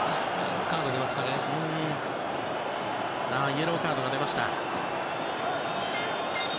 イエローカードが出ました。